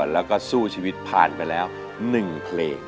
แล้วก็สู้ชีวิตผ่านไปแล้ว๑เพลง